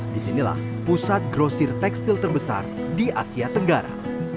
disinilah pusat grosir tekstil terbesar di asia tenggara